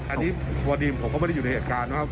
อันนี้พอดีมผมก็ไม่ได้อยู่ในเหตุการณ์ว่า